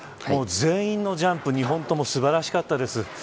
全員のジャンプが２本とも素晴らしかったです。